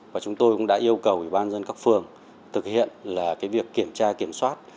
và chúng tôi cũng đã yêu cầu ủy ban dân các phường thực hiện việc kiểm tra kiểm soát